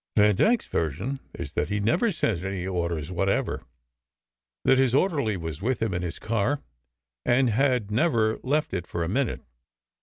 Vandyke s version is that he never sent any orders what ever. That his orderly was with him in his car, and had never left it for a minute.